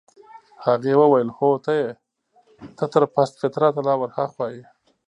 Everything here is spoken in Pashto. هغې وویل: هو ته يې، ته تر پست فطرته لا ورهاخوا يې.